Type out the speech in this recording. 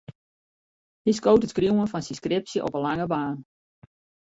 Hy skoot it skriuwen fan syn skripsje op 'e lange baan.